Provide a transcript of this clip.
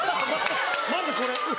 まずこれ？